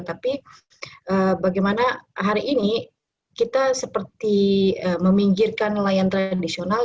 tapi bagaimana hari ini kita seperti meminggirkan nelayan tradisional